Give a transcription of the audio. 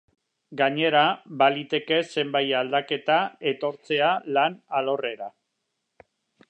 Gainera, baliteke zenbait aldaketa etortzea lan alorrera.